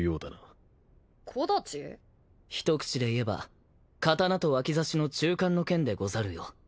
一口で言えば刀と脇差しの中間の剣でござるよ。